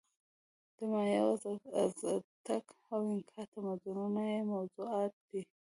د مایا او ازتک او اینکا تمدنونه یې موضوعات دي.